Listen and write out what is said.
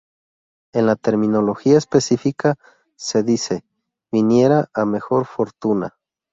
El la terminología específica se dice "viniera a mejor fortuna".